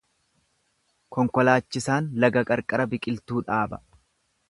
Konkolaachisaan laga qarqara biqiltuu dhaaba.